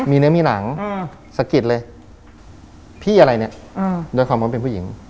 มีเนื้อมีหนังสะกิดเลยพี่อะไรเนี่ยด้วยความว่าเป็นผู้หญิง